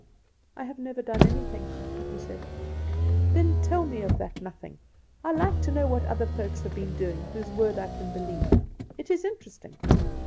"I have never done anything," he said. "Then tell me of that nothing. I like to know what other folks have been doing whose word I can believe. It is interesting.